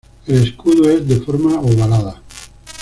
El escudo es de forma ovalada.